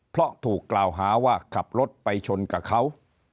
เพราะถูกกล่าวหาว่าขับรถไปชนกับเขา